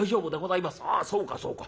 『ああそうかそうか。